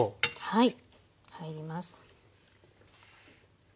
はい。